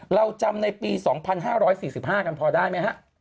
เราจำในปี๒๕๔๕กันพอได้ไหมฮะ